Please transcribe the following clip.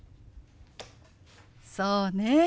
そうね。